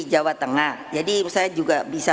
jawa tengah jadi saya juga bisa